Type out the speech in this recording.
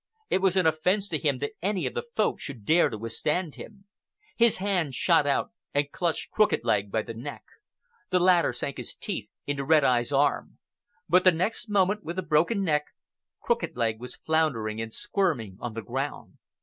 It was an offence to him that any of the Folk should dare to withstand him. His hand shot out and clutched Crooked Leg by the neck. The latter sank his teeth into Red Eye's arm; but the next moment, with a broken neck, Crooked Leg was floundering and squirming on the ground.